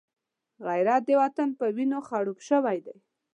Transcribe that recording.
غیرت د وطن په وینو خړوب شوی دی